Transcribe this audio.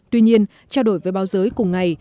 tuy nhiên trao đổi với báo giới cùng ngày